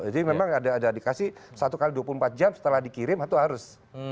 kalau yang dikasih satu x dua puluh empat jam setelah dikirim itu harus